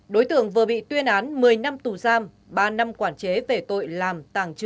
đối tượng vừa bị tuyên án một mươi năm tù giam ba năm quản chế về tội làm tàng trữ